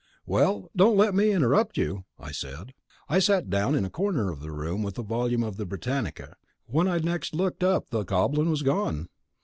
"Well, don't let me interrupt you," I said. I sat down in a corner of the room with a volume of the Britannica. When I next looked up the Goblin was gone.